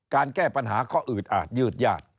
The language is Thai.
แก้ปัญหาก็อืดอาจยืดญาติ